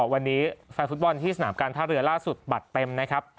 วันนี้แฟนฟุตบอลที่สนามการท่าเรือล่าสุดบัตรเต็มนะครับ